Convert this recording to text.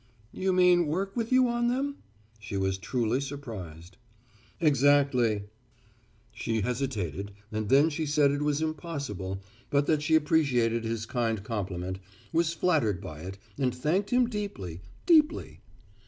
"You mean work with you on them?" She was truly surprised. "Exactly." She hesitated and then she said it was impossible, but that she appreciated his kind compliment, was flattered by it and thanked him deeply, deeply.